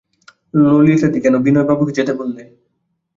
ললিতাদিদি, কেন বিনয়বাবুকে যেতে বললে!